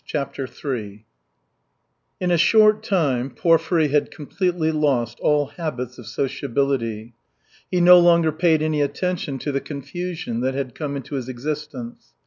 CHAPTER III In a short time Porfiry had completely lost all habits of sociability. He no longer paid any attention to the confusion that had come into his existence.